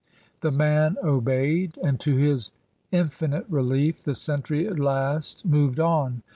The man obeyed, and to his infinite relief the sentry at last moved on.